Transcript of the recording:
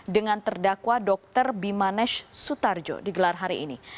dengan terdakwa dr bimanesh sutarjo di gelar hari ini